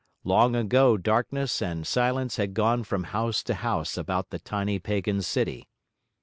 Long ago darkness and silence had gone from house to house about the tiny pagan city.